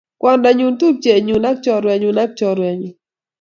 Kwondonyu, tupchenyuu ak chorwenyu ak chorwenyu